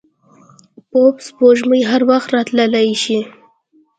پوپ سپوږمۍ هر وخت راتلای شي.